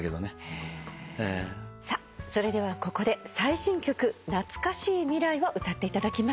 さあそれではここで最新曲『なつかしい未来』を歌っていただきます。